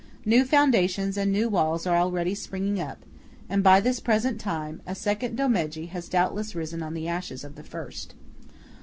New foundations and new walls are already springing up, and by this present time, a second Domegge has doubtless risen on the ashes on the first.